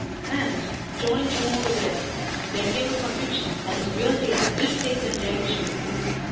And, joined to all the rest, there came a conviction that his real tastes did take that direction.